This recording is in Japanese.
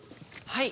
はい。